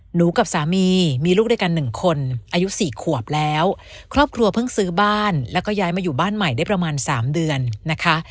หนูกับสามีมีลูกด้วยกันหนึ่งคนอายุสี่ขวบแล้วครอบครัวเพิ่งซื้อบ้านแล้วก็ย้ายมาอยู่บ้านใหม่ได้ประมาณสามเดือนนะคะ